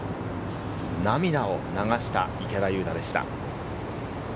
涙を流した池田勇太でした。